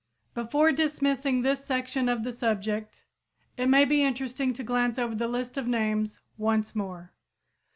Before dismissing this section of the subject, it may be interesting to glance over the list of names once more.